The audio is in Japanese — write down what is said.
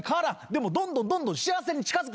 でもどんどんどんどん幸せに近づく。